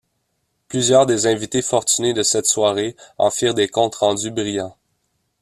Plusieurs des invités fortunés de cette soirée en firent des comptes rendus brillants.